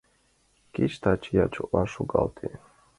Кеч таче ячоклан шогалте.